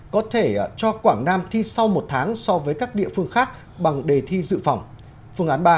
hai có thể cho quảng nam thi sau một tháng so với các địa phương khác bằng đề thi dự phòng